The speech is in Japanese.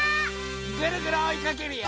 ぐるぐるおいかけるよ。